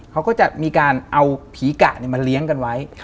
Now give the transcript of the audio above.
เขาก็จะมีการเอาผีกะมาเลี้ยงกันไว้